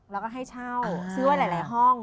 แล้วก็ให้เช่าซื้อไว้หลายห้อง